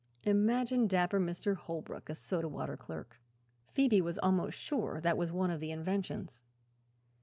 Imagine dapper Mr. Holbrook a soda water clerk! Phoebe was almost sure that was one of the inventions.